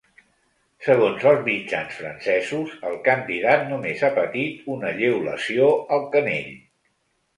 Segons els mitjans francesos, el candidat només ha patit una lleu lesió al canell.